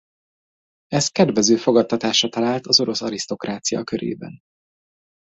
Ez kedvező fogadtatásra talált az orosz arisztokrácia körében.